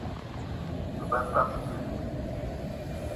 Me benn pam ite.